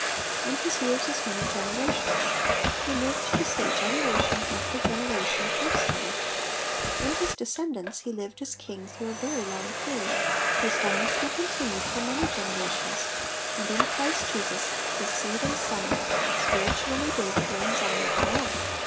*'^And his years as many generations.'^ lie lived to see generation after generation personally ; in his descendants he lived as king through a very long period ; his dynasty continued for many generations ; and in Christ Jesus, his seed and son, spiritually David reigns on evermore.